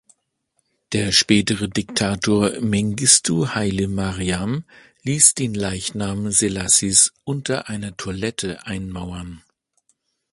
Der spätere Diktator Mengistu Haile Mariam ließ den Leichnam Selassies unter einer Toilette einmauern.